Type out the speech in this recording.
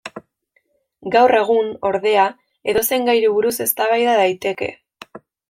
Gaur egun, ordea, edozein gairi buruz eztabaida daiteke.